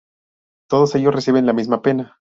Todo ellos reciben la misma pena.